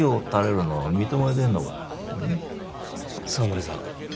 笹森さん